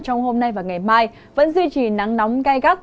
trong hôm nay và ngày mai vẫn duy trì nắng nóng gai gắt